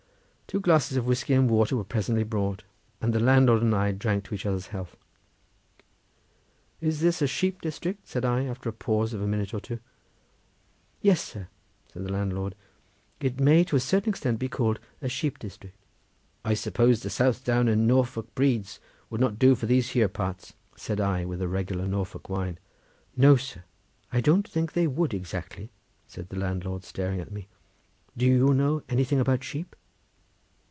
Two glasses of whiskey and water were presently brought, and the landlord and I drank to each other's health. "Is this a sheep district?" said I, after a pause of a minute or two. "Yes, sir!" said the landlord; "it may to a certain extent be called a sheep district." "I suppose the Southdown and Norfolk breeds would not do for these here parts," said I with a regular Norfolk whine. "No, sir! I don't think they would exactly," said the landlord, staring at me. "Do you know anything about sheep?"